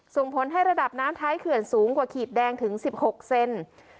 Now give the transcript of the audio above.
ส่งผลให้ระดับน้ำท้ายเขื่อนสูงกว่าขีดแดงถึง๑๖เซน